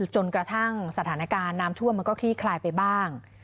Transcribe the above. จนกระทั่งสถานการณ์น้ำท่วมมันก็คลี่คลายไปบ้าง